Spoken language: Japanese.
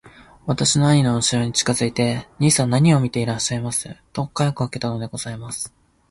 私は兄のうしろに近づいて『兄さん何を見ていらっしゃいます』と声をかけたのでございます。